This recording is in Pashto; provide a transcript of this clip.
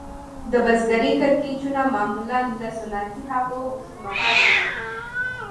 د بزګرۍ کړکېچونه معمولاً له صنعتي هغو اوږد مهاله وي